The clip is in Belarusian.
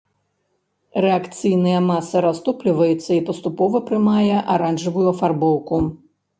Рэакцыйная маса растопліваецца і паступова прымае аранжавую афарбоўку.